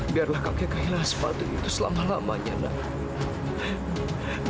biarlah kakek kehilangan sepatu itu selama lamanya nan